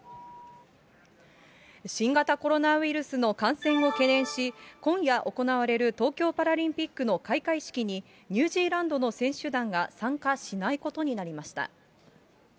新型コロナウイルスの感染を懸念し、今夜行われる東京パラリンピックの開会式に、ニュージーランドの選手団が参加しないことになりました。